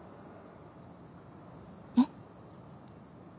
えっ？